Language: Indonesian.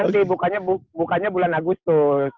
tapi nanti bukanya bulan agustus